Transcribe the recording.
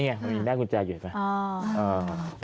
นี่ไงมันยืนได้กุญแจอยู่ไหม